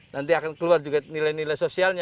nanti akan keluar juga nilai nilai sosialnya